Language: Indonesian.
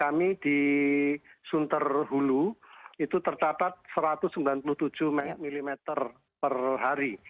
kami di sunter hulu itu terdapat satu ratus sembilan puluh tujuh mm per hari